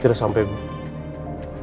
terima kasih hubungi saya